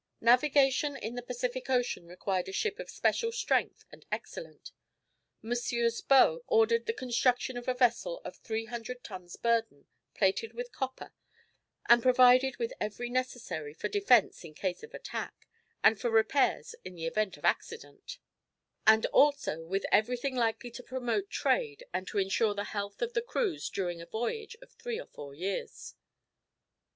Navigation in the Pacific Ocean required a ship of special strength and excellence. MM. Baux ordered the construction of a vessel of 300 tons' burden, plated with copper, and provided with every necessary for defence in case of attack, and for repairs in the event of accident, and also with everything likely to promote trade and to ensure the health of the crews during a voyage of three or four years.